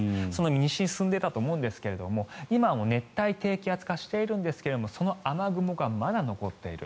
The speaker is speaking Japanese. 西に進んでいたと思うんですが今も熱帯低気圧化しているんですがその雨雲がまだ残っている。